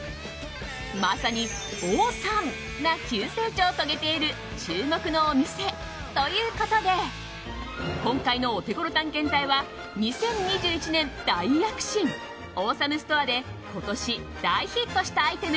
まさにオーサムな急成長を遂げている注目のお店ということで今回のオテゴロ探検隊は２０２１年大躍進オーサムストアで今年大ヒットしたアイテム